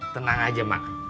tenang aja mak